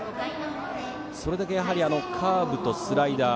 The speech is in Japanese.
それだけカーブとスライダー